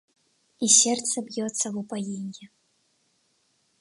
И сердце бьется в упоенье